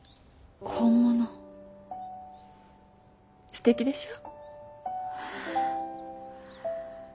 すてきでしょ？